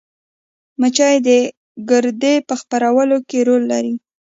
مچۍ د ګردې په خپرولو کې رول لري